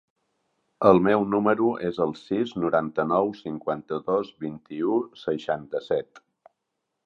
El meu número es el sis, noranta-nou, cinquanta-dos, vint-i-u, seixanta-set.